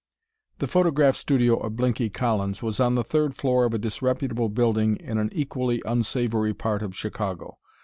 The photograph studio of Blinky Collins was on the third floor of a disreputable building in an equally unsavory part of Chicago.